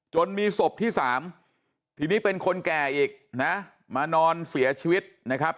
จนมีศพที่๓ทีนี้เป็นคนแก่อีกนะมานอนเสียชีวิตนะครับ